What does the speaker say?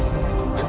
mas tenang dulu mas